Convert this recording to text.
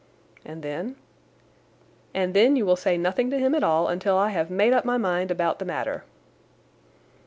"And then?" "And then you will say nothing to him at all until I have made up my mind about the matter."